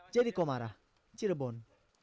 jadi komara cirebon